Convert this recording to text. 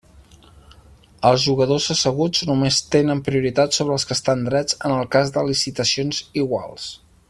Els jugadors asseguts només tenen prioritat sobre els que estan drets en el cas de licitacions iguals.